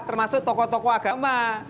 termasuk tokoh tokoh agama